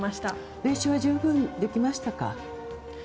練習は十分できましたか？